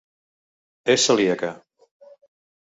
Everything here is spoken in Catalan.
És celíaca.